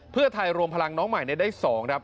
เพื่อไทยรวมพลังน้องใหม่เนี่ยได้สองนะครับ